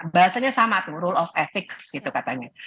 bahasanya sama tuh rule of effic gitu katanya